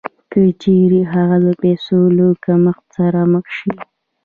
که چېرې هغه د پیسو له کمښت سره مخ شي